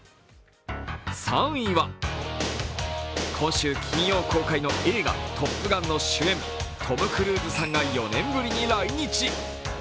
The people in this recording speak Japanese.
３位は、今週金曜公開の映画「トップガン」の主演、トム・クルーズさんが４年ぶりに来日。